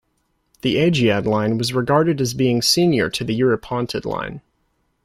The "Agiad" line was regarded as being senior to the "Eurypontid" line.